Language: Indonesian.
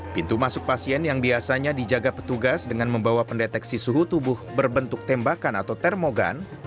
pintu masuk pasien yang biasanya dijaga petugas dengan membawa pendeteksi suhu tubuh berbentuk tembakan atau termogan